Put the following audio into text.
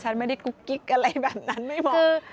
ฉันไม่ได้กุ๊กกิ๊กอะไรแบบนั้นไม่บอก